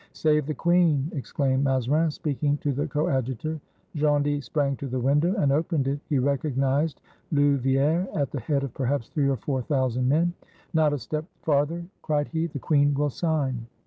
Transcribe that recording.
"Save the queen!" exclaimed Mazarin, speaking to the Coadjutor. Gondy sprang to the window and opened it; he recog nized Louvieres at the head of perhaps three or four thousand men. "Not a step farther!" cried he; "the queen will sign."